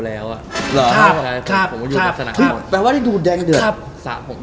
ครับแปลว่าดูแดงเดือน